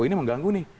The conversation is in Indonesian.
ini mengganggu nih